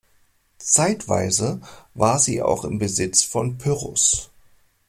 Zeitweise war sie auch im Besitz von Pyrrhus.